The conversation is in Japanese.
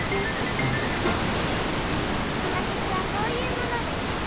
わたくしはこういうものです。